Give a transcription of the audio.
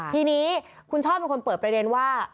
ทีนี้คุณช่อเป็นคนเปิดประเด็นว่า